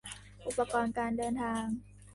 อุปกรณ์การเดินทาง